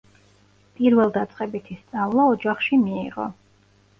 პირველდაწყებითი სწავლა ოჯახში მიიღო.